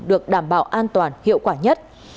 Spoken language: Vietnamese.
được đảm bảo an toàn hiệu quả nhất